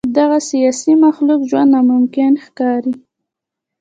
د دغه سیاسي مخلوق ژوند ناممکن ښکاري.